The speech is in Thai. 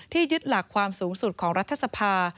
ยึดหลักความสูงสุดของรัฐสภา